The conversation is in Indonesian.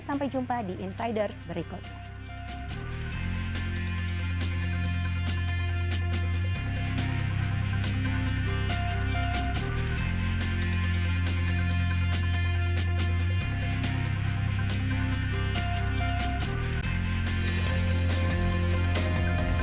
sampai jumpa di insiders berikutnya